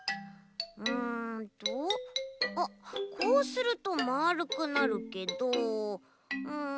うんとあっこうするとまるくなるけどうん。